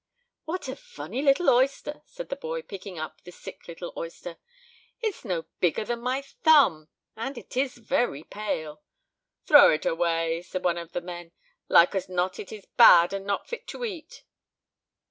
"What a funny little oyster!" said the boy, picking up the sick little oyster; "it is no bigger than my thumb, and it is very pale." "Throw it away," said one of the men. "Like as not it is bad and not fit to eat."